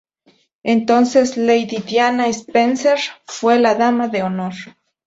La entonces Lady Diana Spencer fue dama de honor.